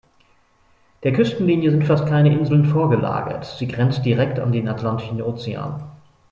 Der Küstenlinie sind fast keine Inseln vorgelagert, sie grenzt direkt an den Atlantischen Ozean.